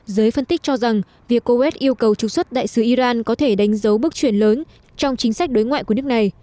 giới phân tích cho rằng việc coet yêu cầu trục xuất đại sứ iran có thể đánh dấu bước chuyển lớn trong chính sách đối ngoại của nước này